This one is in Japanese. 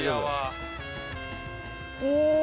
お！